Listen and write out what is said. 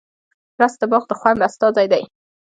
رس د باغ د خوند استازی دی